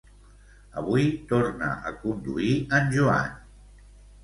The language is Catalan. Avui torna a conduir en Joan